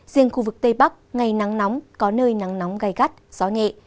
riêng khu vực tây bắc ngày nắng nóng có nơi nắng nóng gai gắt gió nhẹ